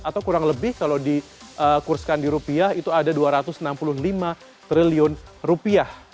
atau kurang lebih kalau dikurskan di rupiah itu ada dua ratus enam puluh lima triliun rupiah